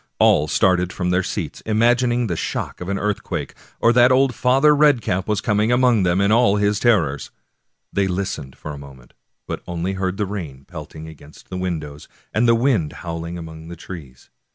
All started from their seats, imagining it the shock of an earthquake, or that old Father Red cap was coming among them in all his terrors. They listened for a moment, but only heard the rain pelting against the windows and the wind howling among the trees.